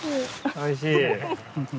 おいしい。